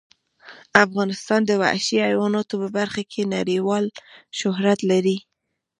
افغانستان د وحشي حیواناتو په برخه کې نړیوال شهرت لري.